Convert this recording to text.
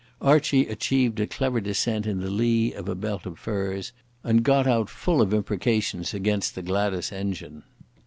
Archie achieved a clever descent in the lee of a belt of firs, and got out full of imprecations against the Gladas engine.